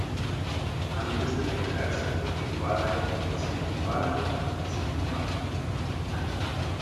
antes de declararse , y tu padre , que circunvala y circunvala ,